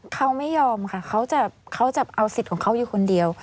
เขาไม่ยอมค่ะเขาจะเอาสิทธิ์ของเขาอยู่คนเดียว